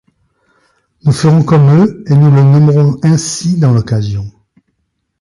Nous ferons comme eux, et nous le nommerons ainsi dans l’occasion.